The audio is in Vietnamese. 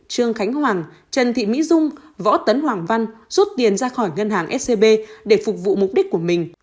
trương khánh hoàng trần thị mỹ dung võ tấn hoàng văn rút tiền ra khỏi ngân hàng scb để phục vụ mục đích của mình